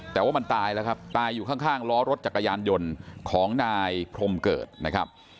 แต่ว่ามันตายแล้วครับตายอยู่ข้างล้อรถจักรยานยนต์ของนายพรมเกิดนะครับ